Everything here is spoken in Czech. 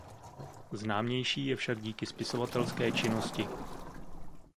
Známější je však díky spisovatelské činnosti.